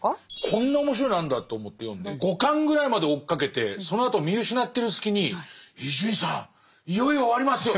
こんな面白いのあるんだと思って読んで５巻ぐらいまで追っかけてそのあと見失ってる隙に「伊集院さんいよいよ終わりますよ」